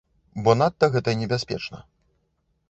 Бо надта гэта небяспечна.